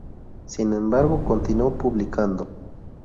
Sin embargo continuó publicando.